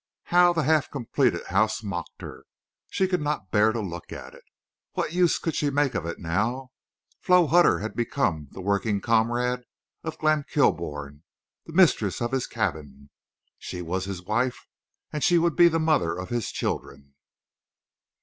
How the half completed house mocked her! She could not bear to look at it. What use could she make of it now? Flo Hutter had become the working comrade of Glenn Kilbourne, the mistress of his cabin. She was his wife and she would be the mother of his children.